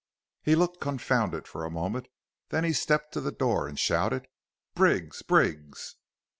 "He looked confounded for a moment. Then he stepped to the door and shouted, 'Briggs! Briggs!'